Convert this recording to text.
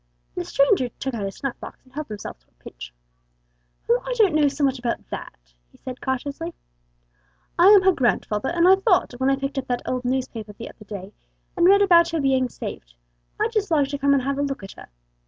The stranger took out his snuff box, and helped himself to a pinch. "Well, I don't know so much about that," he said, cautiously; "I am her grandfather, and I thought, when I picked up that old newspaper the other day, and read about her being saved, I'd just like to come and have a look at her.